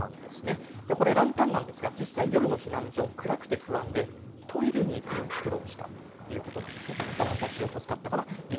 ランタンは実際、夜の避難所は暗くて不安でトイレに行くのに苦労したということです。